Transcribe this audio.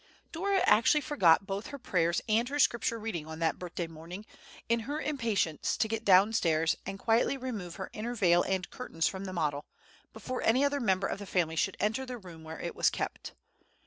Dora actually forgot both her prayers and her Scripture reading on that birthday morning, in her impatience to get down stairs and quietly remove her inner veil and curtains from the model, before any other member of the family should enter the room where it was kept.